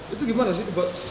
itu gimana sih